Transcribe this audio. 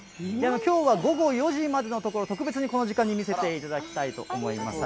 きょうは午後４時までのところ、特別にこの時間に見せていただきたいと思います。